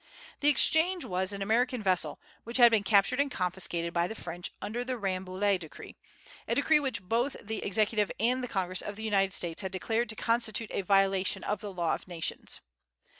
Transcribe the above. The "Exchange" was an American vessel, which had been captured and confiscated by the French under the Rambouillet decree, a decree which both the Executive and the Congress of the United States had declared to constitute a violation of the law of nations.